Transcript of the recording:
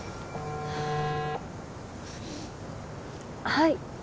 はい☎